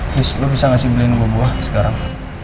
please lo bisa ngasih beliin gue buah sekarang